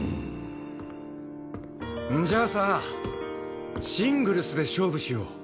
じゃあさシングルスで勝負しよう。